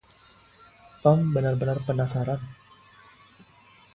Tom benar-benar penasaran.